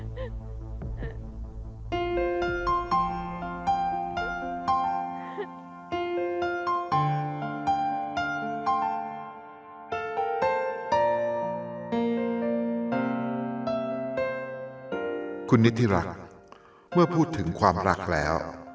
มีนตเลอที่แก่อยู่ไหนต้องโดยพี่ชัย